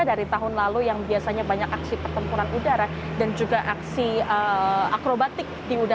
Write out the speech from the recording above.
dari tahun lalu yang biasanya banyak aksi pertempuran udara dan juga aksi akrobatik